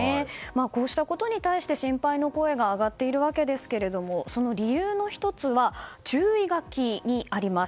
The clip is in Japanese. こうしたことに対し心配の声が上がっているわけですがその理由の１つが注意書きにあります。